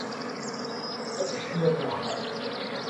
Ad tekcem ar wexxam.